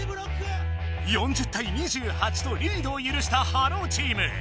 ４０対２８とリードをゆるしたハローチーム。